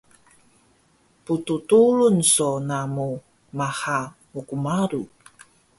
Pddurun so namu maha mkmalu